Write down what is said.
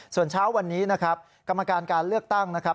ส่วนเช้าวันนี้นะครับกรรมการการเลือกตั้งนะครับ